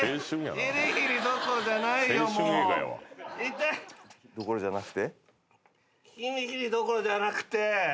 ヒリヒリどころじゃなくて。